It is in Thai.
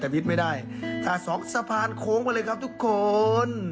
แต่พิษไม่ได้ขาดสองสะพานโค้งไปเลยครับทุกคน